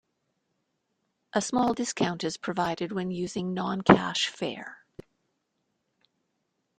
A small discount is provided when using non-cash fare.